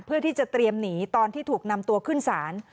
เพื่อที่จะเตรียมหนีตอนที่ถูกนำตัวขึ้นศาล